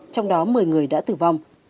trong đó một mươi người đã tử vong